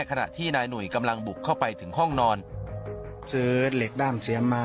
ขณะที่นายหนุ่ยกำลังบุกเข้าไปถึงห้องนอนซื้อเหล็กด้ามเสียมมา